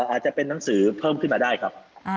อาจจะเป็นหนังสือเพิ่มขึ้นมาได้ครับ